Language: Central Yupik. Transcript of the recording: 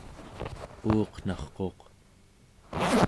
uuqnarquq